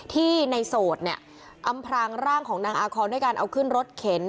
ที่ในโสดเนี่ยอำพรางร่างของนางอาคอนด้วยการเอาขึ้นรถเข็น